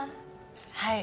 はい。